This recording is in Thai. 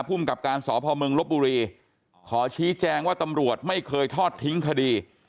ภูมิกับการสพมลบบุรีขอชี้แจงว่าตำรวจไม่เคยทอดทิ้งคดี